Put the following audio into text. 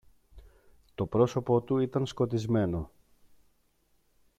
Το πρόσωπο του ήταν σκοτισμένο.